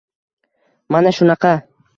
Mana shunaqa.